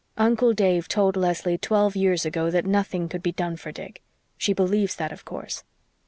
Uncle Dave told Leslie twelve years ago that nothing could be done for Dick. She believes that, of course."